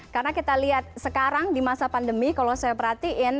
karena kita lihat sekarang di masa pandemi kalau saya perhatiin